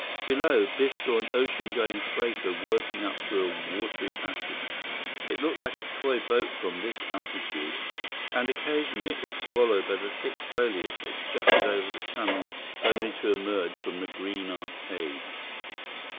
Below, Biff saw an ocean going freighter working up through a watery passage. It looked like a toy boat from this altitude, and occasionally it was swallowed by the thick foliage that jutted over the channel, only to emerge from the green arcade.